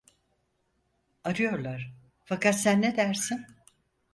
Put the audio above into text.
Arıyorlar, fakat sen ne dersin?